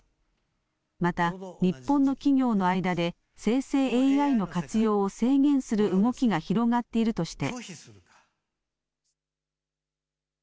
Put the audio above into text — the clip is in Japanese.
また、日本の企業の間で、生成ＡＩの活用を制限する動きが広がっているとして。